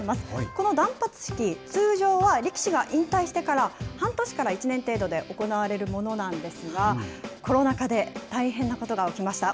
この断髪式、通常は力士が引退してから半年から１年程度で行われるものなんですが、コロナ禍で大変なことが起きました。